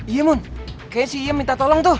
iya mun kayaknya si iem minta tolong tuh